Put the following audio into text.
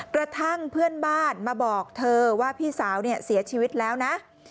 กระทั่งเพื่อนบ้านมาบอกเธอว่าพี่สาวเนี่ยเสียชีวิตแล้วนะ